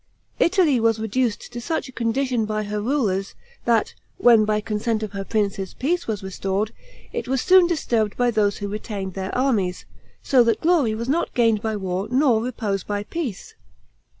Italy was reduced to such a condition by her rulers, that when, by consent of her princes, peace was restored, it was soon disturbed by those who retained their armies, so that glory was not gained by war nor repose by peace.